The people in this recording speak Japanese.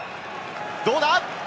どうだ？